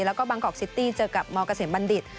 แล้วก็บางกอกซิตี้เจอกับมเกษมบัณฑิต